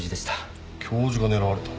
教授が狙われたんか？